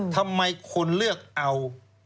ทำไมคนเลือกเอา